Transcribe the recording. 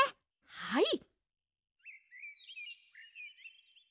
はい！